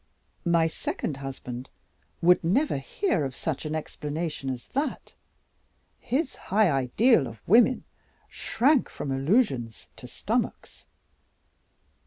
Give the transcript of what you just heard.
My second husband would never hear of such an explanation as that. His high ideal of women shrank from allusions to stomachs.